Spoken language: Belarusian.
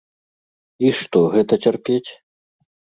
І што, гэта цярпець?